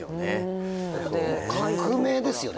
革命ですよね。